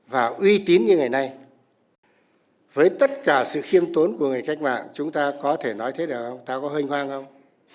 và uy tín như ngày nay với tất cả sự khiêm tốn của người cách mạng chúng ta có thể nói thế được không ta có hênh hoang không